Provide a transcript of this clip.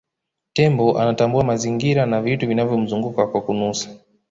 tembo anatambua mazingira na vitu vinavyomzunguka kwa kunusa